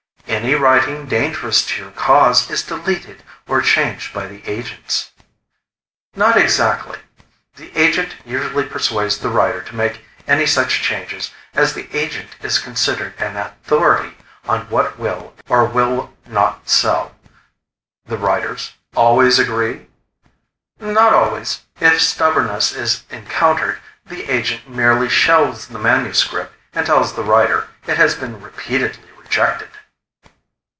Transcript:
"Any writing dangerous to your cause is deleted or changed by the agents." "Not exactly. The agent usually persuades the writer to make any such changes, as the agent is considered an authority on what will or will not sell." "The writers always agree?" "Not always. If stubbornness is encountered, the agent merely shelves the manuscript and tells the writer it has been repeatedly rejected."